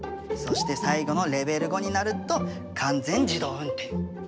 そして最後のレベル５になると完全自動運転。